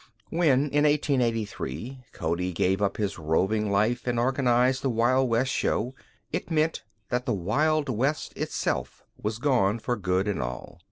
When, in 1883, Cody gave up his roving life and organized the Wild West show it meant that the Wild West itself was gone for good and all.